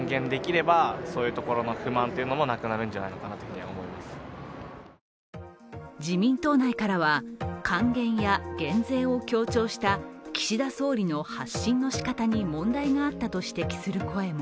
期待していた街の人からは自民党内からは還元や減税を強調した岸田総理の発信の仕方に問題があったと指摘する声も。